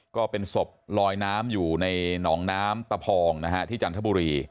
ก็เป็นศพลอยน้ำอยู่ในหนองน้ำตะพองนะฮะที่จันทบุรี